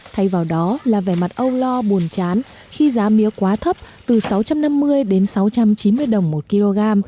thay vào đó là vẻ mặt âu lo buồn chán khi giá mía quá thấp từ sáu trăm năm mươi đến sáu trăm chín mươi đồng một kg